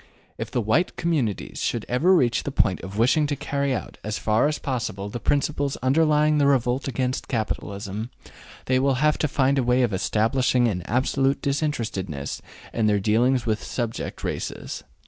If the white communities should ever reach the point of wishing to carry out as far as possible the principles underlying the revolt against capitalism, they will have to find a way of establishing an absolute disinterestedness in their dealings with subject races.